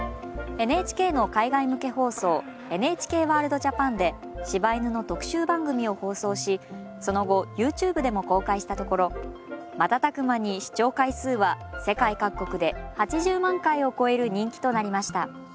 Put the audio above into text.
ＮＨＫの海外向け放送「ＮＨＫＷＯＲＬＤ−ＪＡＰＡＮ」で柴犬の特集番組を放送しその後ＹｏｕＴｕｂｅでも公開したところ瞬く間に視聴回数は世界各国で８０万回を超える人気となりました。